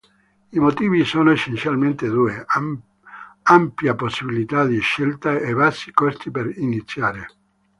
I motivi sono essenzialmente due: ampia possibilità di scelta e bassi costi per iniziare.